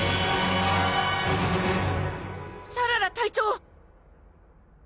シャララ隊長！